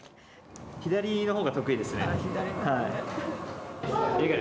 左のほうが得意ですね。